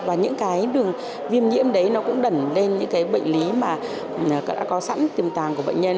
và những đường viêm nhiễm đấy cũng đẩn lên những bệnh lý đã có sẵn tiềm tàng của bệnh nhân